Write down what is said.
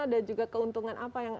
dan juga keuntungan apa yang